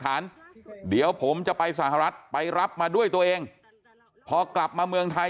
เดี๋ยวผมจะไปสหรัฐไปรับมาด้วยตัวเองพอกลับมาเมืองไทย